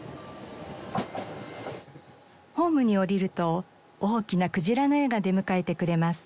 ホームに降りると大きなクジラの絵が出迎えてくれます。